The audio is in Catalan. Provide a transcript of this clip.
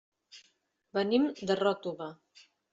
Venim de Ròtova.